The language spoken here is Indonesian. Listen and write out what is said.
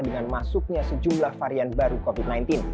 dengan masuknya sejumlah varian baru covid sembilan belas